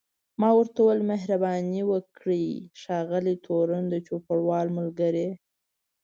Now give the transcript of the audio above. ما ورته وویل مهرباني وکړئ ښاغلی تورن، د چوپړوال ملګری.